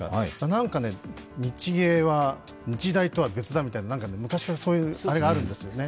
何かね、日芸は日大とは別だみたいな、昔からそういうのがあるんですよね。